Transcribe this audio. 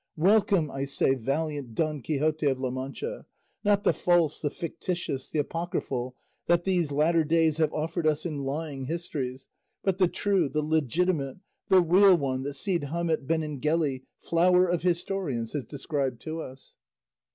Welcome, I say, valiant Don Quixote of La Mancha; not the false, the fictitious, the apocryphal, that these latter days have offered us in lying histories, but the true, the legitimate, the real one that Cide Hamete Benengeli, flower of historians, has described to us!"